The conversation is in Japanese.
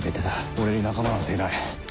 俺に仲間なんていない。